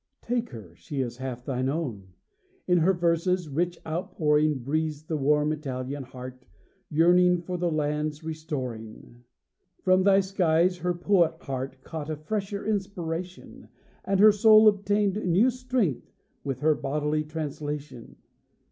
Take her, she is half thine own; In her verses' rich outpouring, Breathes the warm Italian heart, Yearning for the land's restoring. From thy skies her poet heart Caught a fresher inspiration, And her soul obtained new strength, With her bodily translation.